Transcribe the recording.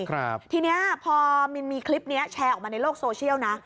ทีเนี้ยพอมันมีคลิปเนี้ยแชร์ออกมาในโลกโซเชียลนะ